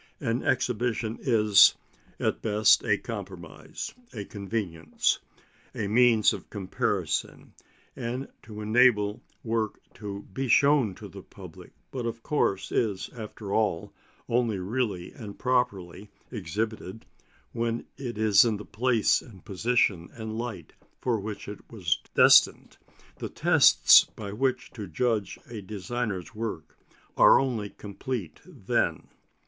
An exhibition is at best a compromise, a convenience, a means of comparison, and to enable work to be shown to the public; but of course is, after all, only really and properly exhibited when it is in the place and position and light for which it was destined. The tests by which to judge a designer's work are only complete then.